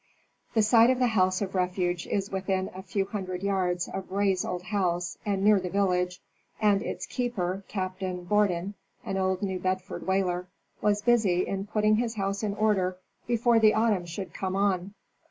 The site of the house of refuge is within a few hundred yards of Ray's old house and near the village, and its keeper, Captain Borden (an old New Bedford whaler) was busy in putting his house in order before the autumn should come on.